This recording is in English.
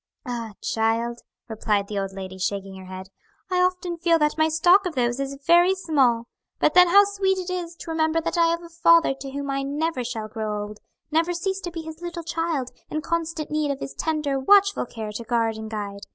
"Ah, child!" replied the old lady, shaking her head, "I often feel that my stock of those is very small. But then how sweet it is to remember that I have a Father to whom I never shall grow old; never cease to be His little child, in constant need of His tender, watchful care to guard and guide.